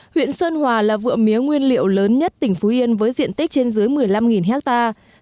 huyện sơn hòa là vựa mía nguyên liệu lớn nhất tỉnh phú yên với diện tích trên dưới một mươi năm hectare